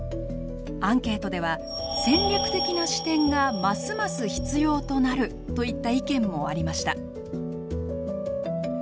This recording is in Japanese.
アンケートでは「戦略的な視点がますます必要となる」といった意見もありました。